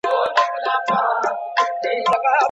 د ښوونکو لپاره د روزنې مرکزونه په کومو ځایونو کي دي؟